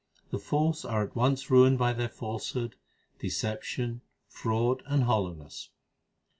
The false are at once ruined by their falsehood, deception, fraud, and hollo wness.